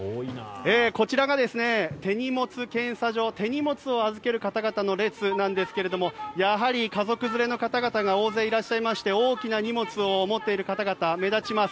こちらが手荷物検査場手荷物を預ける方々の列なんですがやはり家族連れの方々が大勢いらっしゃいまして大きな荷物を持っている方々目立ちます。